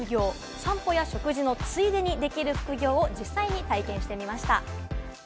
散歩や食事のついでにできる副業を実際に体験してみました。